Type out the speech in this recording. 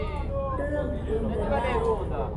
เรื่อง เมืองเดินได้